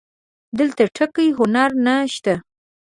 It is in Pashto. دلته ټکی هنر نه شته